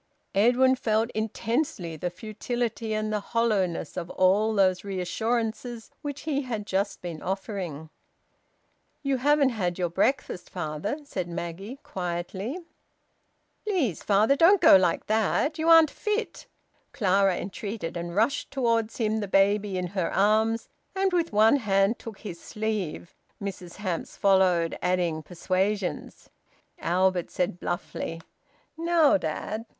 Edwin felt intensely the futility and the hollowness of all those reassurances which he had just been offering. "You haven't had your breakfast, father," said Maggie quietly. "Please, father! Please don't go like that. You aren't fit," Clara entreated, and rushed towards him, the baby in her arms, and with one hand took his sleeve. Mrs Hamps followed, adding persuasions. Albert said bluffly, "Now, dad!